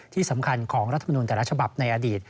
ที่สำคัญของรัฐมนุนแต่ละฉบับในอดีต